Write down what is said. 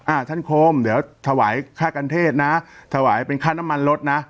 ท่านโคมเดี๋ยวถวายค่าการเทศนะถวายเป็นค่าน้ำมันรถนะ